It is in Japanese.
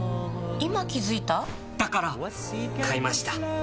今気付いた？だから！買いました。